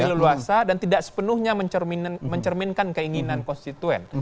lebih leluasa dan tidak sepenuhnya mencerminkan keinginan konstituen